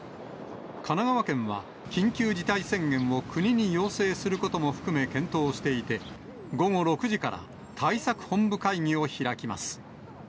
神奈川県は緊急事態宣言を国に要請することも含め検討していて、午後６時から対策本部会議を開きます。